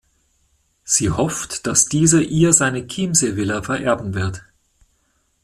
Sie hofft, dass dieser ihr seine Chiemsee-Villa vererben wird.